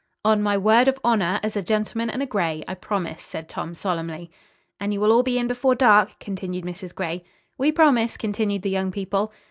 "On my word of honor, as a gentleman and a Gray, I promise," said Tom, solemnly. "And you will all be in before dark?" continued Mrs. Gray. "We promise," continued the young people.